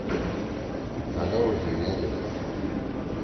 أ لؤ ڙیِنگَدُو۔